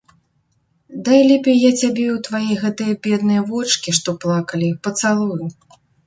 Дай лепей я цябе ў твае гэтыя бедныя вочкі, што плакалі, пацалую.